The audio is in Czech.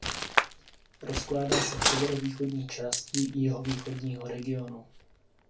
Rozkládá se v severovýchodní části Jihovýchodního regionu.